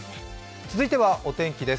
続いてはお天気です。